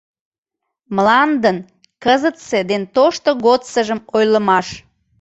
«МЛАНДЫН КЫЗЫТСЕ ДЕН ТОШТО ГОДСЫЖЫМ ОЙЛЫМАШ»